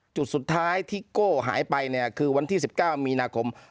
จุดสุดท้ายที่โก้หายไปเนี่ยคือวันที่๑๙มีนาคม